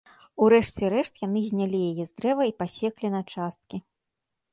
У рэшце рэшт яны знялі яе з дрэва і пасеклі на часткі.